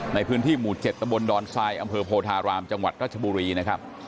ในพื้นที่หมู่๗ตำบลดอนทรายอำเภอโพธารามจังหวัดราชบุรีนะครับ